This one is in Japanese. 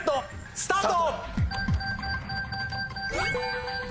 スタート。